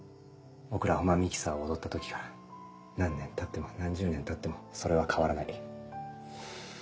オクラホマミキサーを踊った時から何年経っても何十年経ってもそれは変わらない。